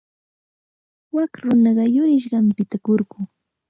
Wak runaqa yurisqanpita kurku.